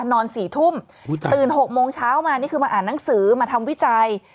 ๔ทุ่มตื่น๖โมงเช้ามานี่คือมาอ่านหนังสือมาทำวิจัย